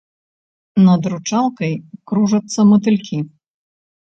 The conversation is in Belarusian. Над рачулкай кружацца матылькі.